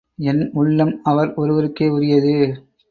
என் உள்ளம் அவர் ஒருவருக்கே உரியது.